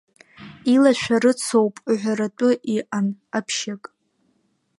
Илашәарыцоуп уҳәаратәы иҟан, ҟаԥшьык…